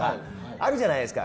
あるじゃないですか。